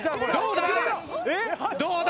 どうだ？